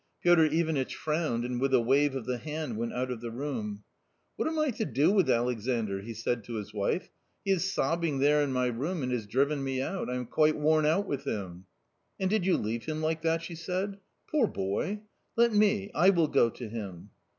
Piotr Ivanitch frowned, and with a wave of the hand went out of the room. " What am I do with Alexandr ?" he said to his wife. " He is sobbing there in my room and has driven me out ; I am quite worn out with him." " And did you leave him like that ?" she said, " poor boy ! Let me, I will go to him."